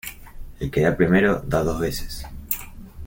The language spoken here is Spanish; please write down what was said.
El que da primero da dos veces.